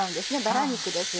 バラ肉です。